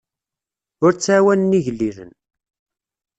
Ur ttɛawanen igellilen.